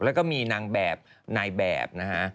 แล้วก็มีนางแบบนายแบบนะฮะ